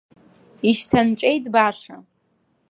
Ишьҭанҵәеит баша.